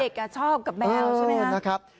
เด็กชอบกับแมวใช่ไหมครับ